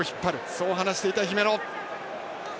そう話していた、姫野。